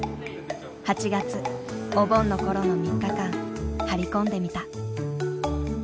８月お盆の頃の３日間張り込んでみた。